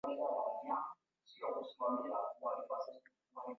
kwamba Mtume Paulo alishangaa kuona sanamu nyingi za miungu kule